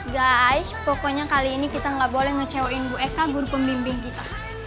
guy ice pokoknya kali ini kita nggak boleh ngecewain bu eka guru pembimbing kita